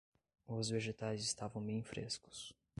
Os vegetais estavam bem frescos